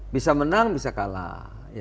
bisa menang bisa kalah